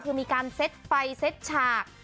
คือมีการเซ็ตไฟเซ็ตฉาก